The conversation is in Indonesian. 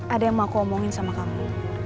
ada yang mau aku omongin sama kamu